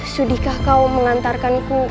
sudikah kau mengantarkanku